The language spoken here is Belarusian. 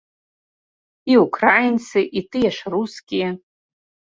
І ўкраінцы, і тыя ж рускія.